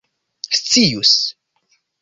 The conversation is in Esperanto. scius